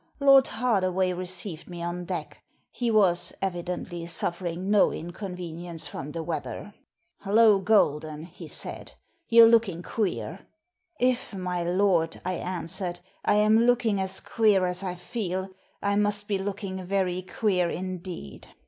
Lord Hardaway received me on deck ; he was, evidently, suffering no inconvenience from the weather. * Hollo, Golden,' he said, * you're looking queer/ ' If, my lord,' I answered, * I am looking as queer as I feel I must be looking very queer indeed.